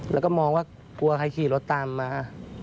แล้วก็มองว่ากลัวใครขี่รถตามมา